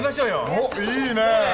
おっいいね。